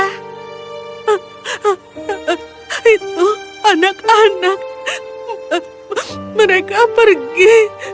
hahaha itu anak anak mereka pergi